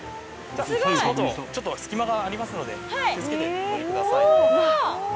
足元ちょっと隙間がありますので気を付けてお上りください。